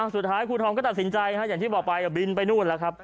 ครูทองก็ตัดสินใจอย่างที่บอกไปบินไปนู่นแล้วครับ